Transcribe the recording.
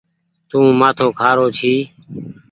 تو مآٿو کآرو ڇي۔